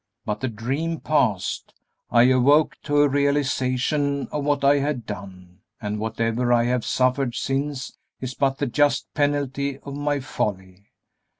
But the dream passed; I awoke to a realization of what I had done, and whatever I have suffered since is but the just penalty of my folly.